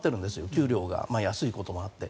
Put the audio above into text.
給料が安いこともあって。